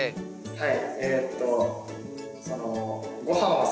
はい。